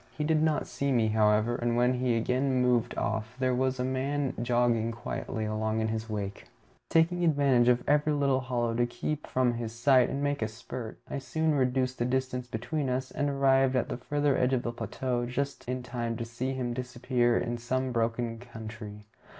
He did not see me, however, and when he again moved off there was a man jogging quietly along in his wake. Taking advantage of every little hollow to keep from his sight and make a spurt, I soon reduced the distance between us, and arrived at the further edge of the plateau just in time to see him disappear in some broken country.